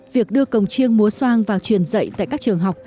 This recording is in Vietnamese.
việc đưa cổng chiêng múa soang vào truyền dạy tại các trường học